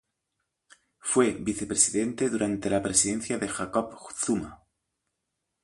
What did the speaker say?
Fue vicepresidente durante la presidencia de Jacob Zuma.